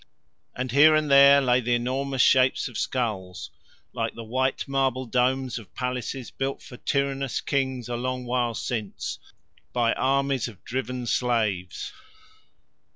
And here and there lay the enormous shapes of skulls like the white marble domes of palaces built for tyrannous kings a long while since by armies of driven slaves.